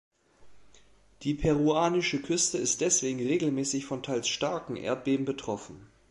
Die peruanische Küste ist deswegen regelmäßig von teils starken Erdbeben betroffen.